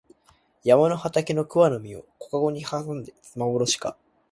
山の畑の桑の実を小かごに摘んだはまぼろしか